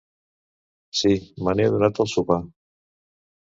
Sí, me n'he adonat al sopar.